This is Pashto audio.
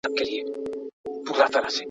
زه اوږده وخت اوبه پاکوم؟